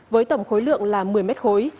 với tổng khối lượng là một mươi m khối